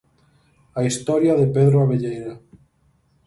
A historia de Pedro Abelleira.